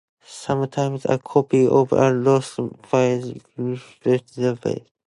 Sometimes, a copy of a lost film is rediscovered.